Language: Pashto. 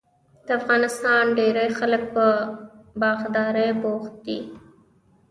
د افغانستان ډیری خلک په باغدارۍ بوخت دي.